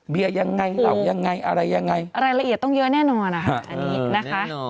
เบี้ยะยังไงเอาอย่างไงอะไรยังไงอะไรละเอียดต้องเยอะแน่นอนนะคะนะคะ